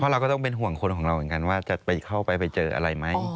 เราก็ต้องเป็นห่วงคนของเราเหมือนกันว่าจะไปเข้าไปไปเจออะไรไหม